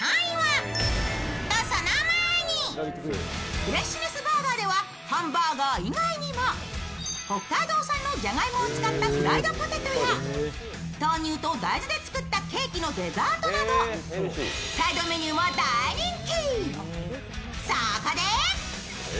フレッシュネスバーガーではハンバーガー以外にも北海道産のじゃがいもを使ったフライドポテトや豆乳と大豆で作ったケーキのデザートなどサイドメニューも大人気！